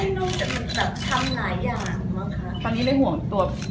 ทำไหนอย่างเหมือนตอนนี้เลยห่วงตรวจ